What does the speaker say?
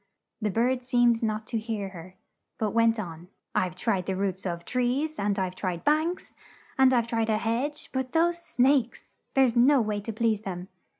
The bird seemed not to hear her, but went on, "I've tried the roots of trees, and I've tried banks, and I've tried a hedge; but those snakes! There's no way to please them.